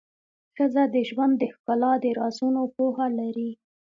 ښځه د ژوند د ښکلا د رازونو پوهه لري.